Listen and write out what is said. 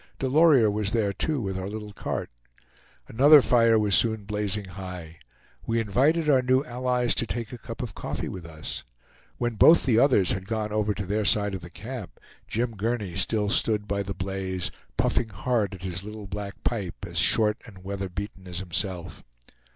Delorier was there too with our little cart. Another fire was soon blazing high. We invited our new allies to take a cup of coffee with us. When both the others had gone over to their side of the camp, Jim Gurney still stood by the blaze, puffing hard at his little black pipe, as short and weather beaten as himself.